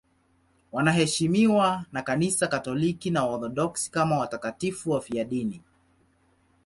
Wanaheshimiwa na Kanisa Katoliki na Waorthodoksi kama watakatifu wafiadini.